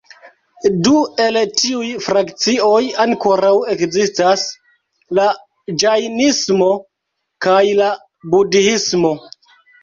Du el tiuj frakcioj ankoraŭ ekzistas: la ĝajnismo kaj la budhismo.